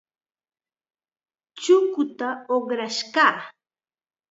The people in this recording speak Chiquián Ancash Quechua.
Chukuta uqrash kaa.